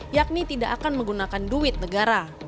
yakni tidak akan menggunakan duit negara